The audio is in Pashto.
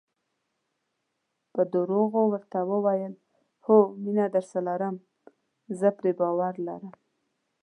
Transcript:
ما په درواغو ورته وویل: هو، مینه درسره لرم، زه پرې باور لرم.